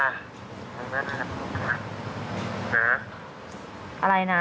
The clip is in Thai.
เขาจะสวม